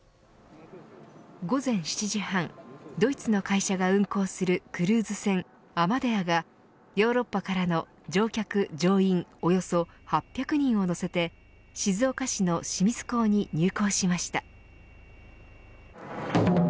午前７時半、ドイツの会社が運航するクルーズ船アマデアがヨーロッパからの乗客、乗員およそ８００人を乗せて静岡市の清水港に入港しました。